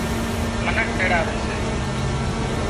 منک تيڙاوي سي